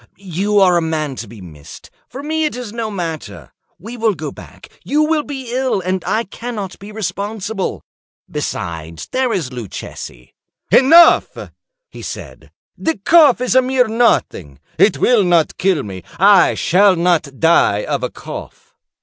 You are a man to be missed. For me it is no matter. We will go back; you will be ill, and I cannot be responsible. Besides, there is Luchesi—" "Enough," he said; "the cough is a mere nothing; it will not kill me. I shall not die of a cough."